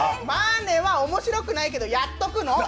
まぁねぇは面白くないけど、やっとくの。